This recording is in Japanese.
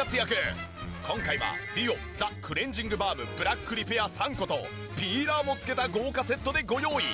今回はＤＵＯザクレンジングバームブラックリペア３個とピーラーも付けた豪華セットでご用意。